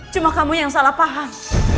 cuma kamu yang salah paham